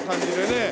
ねえ。